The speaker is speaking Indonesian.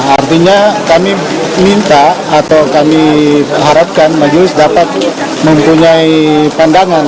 artinya kami minta atau kami harapkan majelis dapat mempunyai pandangan